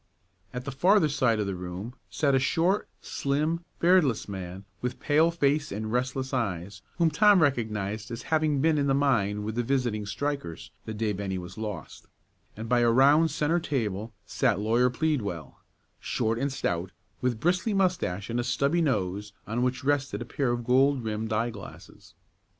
At the farther side of the room sat a short, slim, beardless man, with pale face and restless eyes, whom Tom recognized as having been in the mine with the visiting strikers the day Bennie was lost; and by a round centre table sat Lawyer Pleadwell, short and stout, with bristly mustache and a stubby nose on which rested a pair of gold rimmed eye glasses.